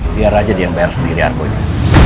biar aja dia yang bayar sendiri argonya